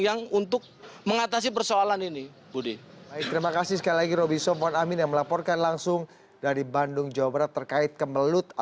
yang untuk mengatasi persoalan ini